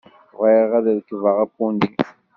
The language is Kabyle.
Bɣiɣ ad rekbeɣ apuni!